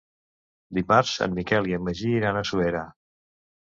Dimarts en Miquel i en Magí iran a Suera.